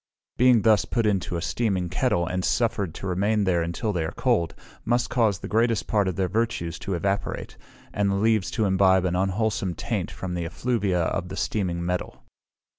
Being thus put into a steaming kettle, and suffered to remain there until they are cold, must cause the greatest part of their Virtues to evaporate, and the leaves to imbibe an unwholesome taint from the effluvia of the steaming metal.